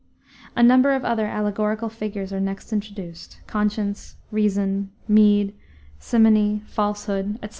A number of other allegorical figures are next introduced, Conscience, Reason, Meed, Simony, Falsehood, etc.